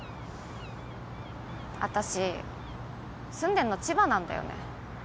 あたし住んでんの千葉なんだよね。